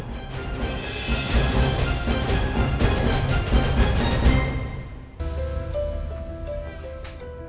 saya seperti bertemu dengan bapak yang dulu